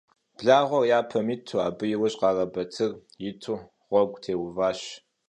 Blağuer yapem yitu, abı yi vujım Kharebatır yitu ğuegu têuvaş.